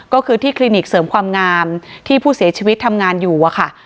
ก็คือที่คลินิกเสริมความงามที่ผู้เสียชีวิตทำงานอยู่อะค่ะ